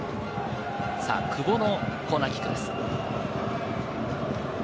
久保のコーナーキックです。